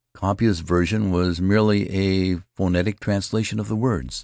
Kaupia's version was merely a phonetic translation of the words.